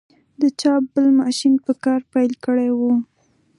د چاپ بل ماشین په کار پیل کړی و.